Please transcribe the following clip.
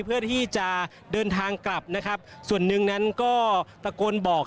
เพื่อที่จะเดินทางกลับนะครับส่วนหนึ่งนั้นก็ตะโกนบอก